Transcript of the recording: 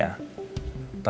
kalau begitu ingat ya